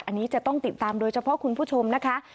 อันนี้จะต้องติดตามโดยเฉพาะคุณผู้ชมนะคะ